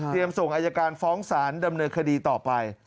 ส่งอายการฟ้องศาลดำเนินคดีต่อไป